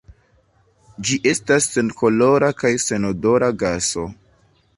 Ĝi estas senkolora kaj senodora gaso.